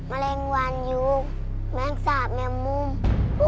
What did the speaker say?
แมลงวันอยู่แมงสาดแมงมุม